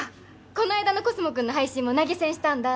この間のコスモくんの配信も投げ銭したんだ